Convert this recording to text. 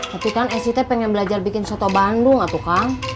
tapi kan esy teh pengen belajar bikin soto bandung gak tuh kang